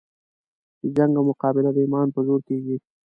چې جنګ او مقابله د ایمان په زور کېږي.